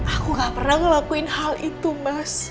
aku gak pernah ngelakuin hal itu mas